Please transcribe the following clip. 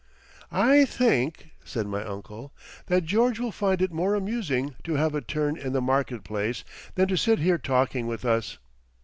"I think," said my uncle, "that George will find it more amusing to have a turn in the market place than to sit here talking with us.